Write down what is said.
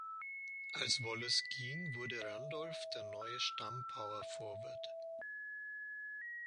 Als Wallace ging, wurde Randolph der neue Stamm-Power-Forward.